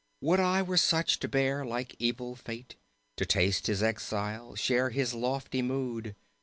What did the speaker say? Would I were such, to bear like evil fate, To taste his exile, share his lofty mood.